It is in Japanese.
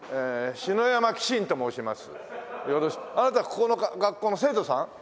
あなたここの学校の生徒さん？